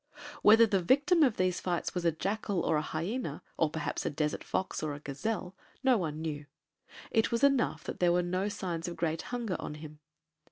Whether the victim of these fights was a jackal, or a hyena, or perhaps a desert fox or a gazelle no one knew; it was enough that there were no signs of great hunger on him.